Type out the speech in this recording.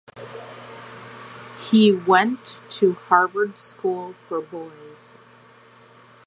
He went to Harvard School for Boys.